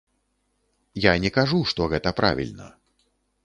Я не кажу, што гэта правільна.